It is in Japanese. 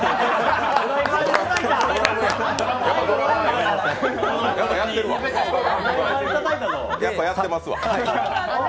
ドラマー、やっぱやってますわ。